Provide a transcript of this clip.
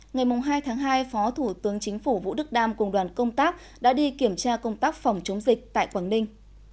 ngày hai tháng hai phó thủ tướng chính phủ vũ đức đam cùng đoàn công tác đã đi kiểm tra công tác phòng chống dịch tại quảng ninh